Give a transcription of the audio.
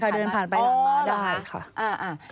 ใช่ค่ะเดินผ่านไปผ่านมาได้ค่ะ